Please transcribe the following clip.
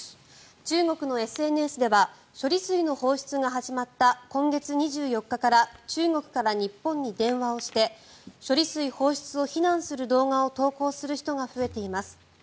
中国のＳＮＳでは処理水の放出が始まった今月２４日から中国から日本に電話をして処理水放出を非難する動画を投稿する人が増えています。